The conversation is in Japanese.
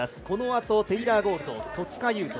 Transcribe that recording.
このあとテイラー・ゴールド戸塚優